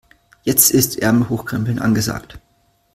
Jetzt ist Ärmel hochkrempeln angesagt.